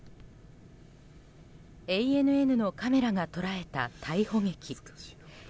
ＡＮＮのカメラが捉えた逮捕劇。